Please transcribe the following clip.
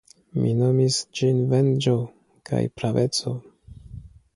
Mi nomis ĝin venĝo kaj praveco!